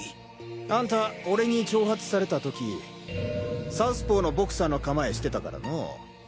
アンタ俺に挑発された時サウスポーのボクサーの構えしてたからのォ。